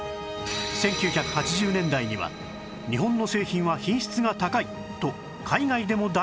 １９８０年代には日本の製品は品質が高いと海外でも大人気！